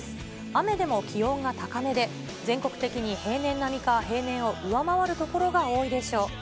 雨でも気温が高めで、全国的に平年並みか、平年を上回る所が多いでしょう。